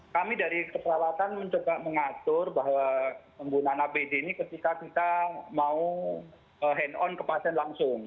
kami dari keselamatan mencoba mengatur bahwa penggunaan apd ini ketika kita mau hand on ke pasien langsung